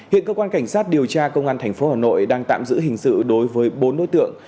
hiện cơ quan cảnh sát điều tra công an tp hà nội đang tạm giữ hình sự đối với bốn đối tượng